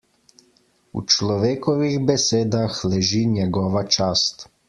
V človekovih besedah leži njegova čast.